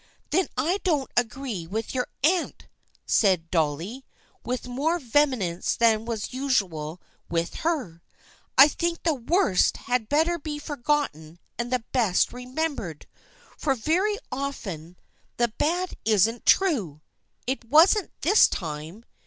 " Then I don't agree with your aunt," said Dolly, with more vehemence than was usual with her. " I think the worst had better be forgotten and the best remembered, for very often the bad 272 THE FRIENDSHIP OF ANNE isn't true. It wasn't this time.